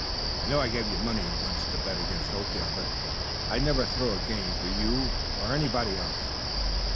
I know I gave you money once to bet against Oakdale, but I'd never throw a game for you or anybody else."